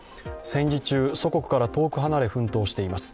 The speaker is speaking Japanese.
戦時中、祖国から遠く離れ奮闘しています。